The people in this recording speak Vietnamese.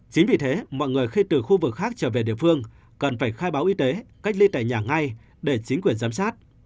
chính vì thế mọi người khi từ khu vực khác trở về địa phương cần phải khai báo y tế cách ly tại nhà ngay để chính quyền giám sát